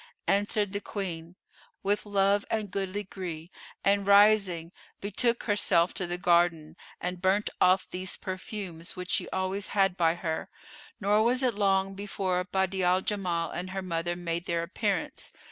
Answered the Queen, "With love and goodly gree;" and rising, betook herself to the garden and burnt off these perfumes which she always had by her; nor was it long before Badi'a al Jamal and her mother made their appearance.